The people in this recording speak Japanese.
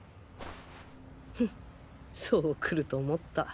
フンそうくると思った。